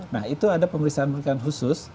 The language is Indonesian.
nah itu ada pemeriksaan pemeriksaan khusus